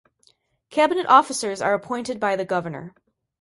Cabinet officers are appointed by the governor.